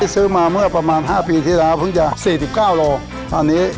ซื้อมาเมื่อประมาณห้าปีทีแล้วเพิ่งจะสี่สิบเก้าโลตอนนี้